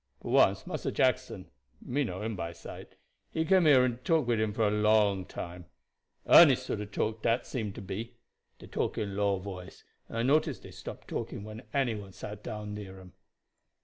But once Massa Jackson me know him by sight he came here and talk wid him for a long time. Earnest sort of talk dat seemed to be. Dey talk in low voice, and I noticed dey stopped talking when any one sat down near dem."